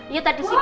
iya tadi sih bu